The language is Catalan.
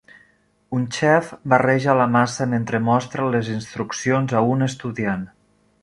Un xef barreja la massa mentre mostra les instruccions a un estudiant.